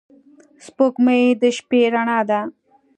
• سپوږمۍ د شپې رڼا ده.